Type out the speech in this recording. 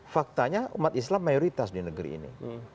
faktanya umat islam mayoritas di negeri ini